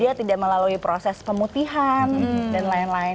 dia tidak melalui proses pemutihan dan lain lain